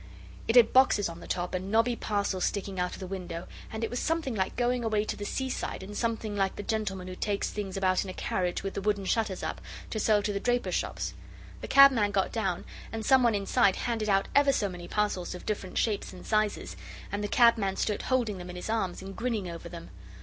It had boxes on the top and knobby parcels sticking out of the window, and it was something like going away to the seaside and something like the gentleman who takes things about in a carriage with the wooden shutters up, to sell to the drapers' shops. The cabman got down, and some one inside handed out ever so many parcels of different shapes and sizes, and the cabman stood holding them in his arms and grinning over them.